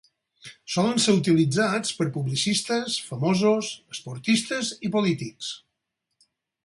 Solen ser utilitzats per publicistes, famosos, esportistes i polítics.